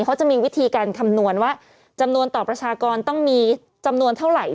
เขาจะมีวิธีการคำนวณว่าจำนวนต่อประชากรต้องมีจำนวนเท่าไหร่